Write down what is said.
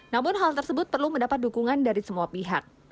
namun hal tersebut perlu mendapat dukungan dari semua pihak